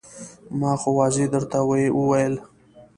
ما خو واضح درته وویل.